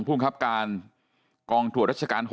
ก็กลับกาลกองถัวรัชการ๖